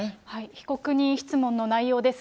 被告人質問の内容です。